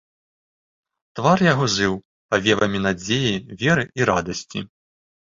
Твар яго жыў павевамі надзеі, веры і радасці.